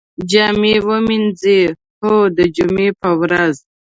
جامی ومینځئ؟ هو، د جمعې په ورځ